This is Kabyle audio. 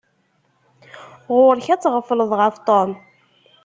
Ɣur-k ad tɣefleḍ ɣef Tom.